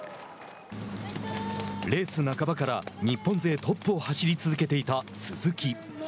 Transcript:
レース半ばから日本勢トップを走り続けていた鈴木。